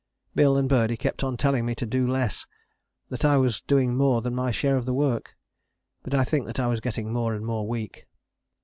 Bill and Birdie kept on telling me to do less: that I was doing more than my share of the work: but I think that I was getting more and more weak.